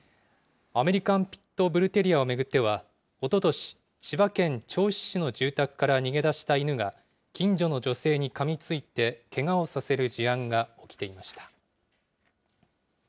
アメリカン・ピット・ブル・テリアを巡っては、おととし、千葉県銚子市の住宅から逃げ出した犬が、近所の女性にかみついて、けがをさせる事案が起きていました。